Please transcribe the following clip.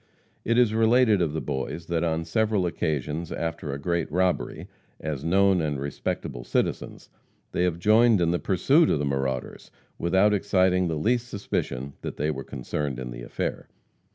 It is related of the boys that on several occasions after a great robbery, as known and respectable citizens, they have joined in the pursuit of the marauders without exciting the least suspicion that they were concerned in the affair.